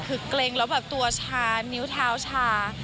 คือกลังแล้วตัวชานิ้วเท้าชา